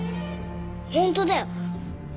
本当だよ。